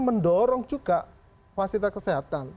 mendorong juga fasilitas kesehatan